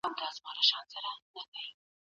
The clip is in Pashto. ایا کورني سوداګر پسته اخلي؟